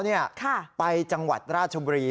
ใจครับไปจังหวัดราชบุรี